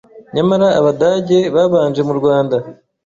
Nyamara Abadage babanje mu Rwanda